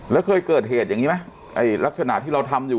แล้วเคยเกิดเหตุอย่างนี้ไหมไอ้ลักษณะที่เราทำอยู่